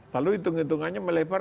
lalu hitung hitungannya melebar